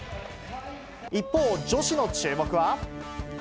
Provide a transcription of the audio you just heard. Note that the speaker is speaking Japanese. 一方、女子の注目は。